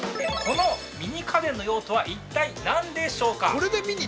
このミニ家電の用途は一体何でしょうか。